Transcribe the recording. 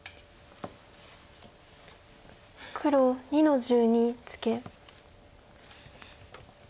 黒２の十二ツケ。